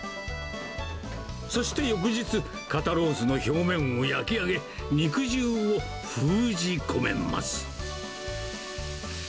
そして翌日、肩ロースの表面を焼き上げ、肉汁を封じ込めます。